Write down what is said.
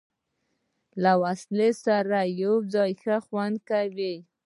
له وسلو سره یو ځای، ښه خوند یې کاوه.